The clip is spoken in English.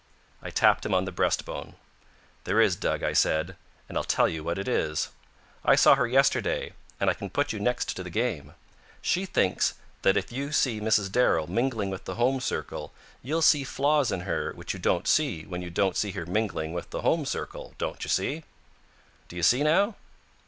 I tapped him on the breastbone. "There is, Dug," I said, "and I'll tell you what it is. I saw her yesterday, and I can put you next to the game. She thinks that if you see Mrs. Darrell mingling with the home circle, you'll see flaws in her which you don't see when you don't see her mingling with the home circle, don't you see? Do you see now?"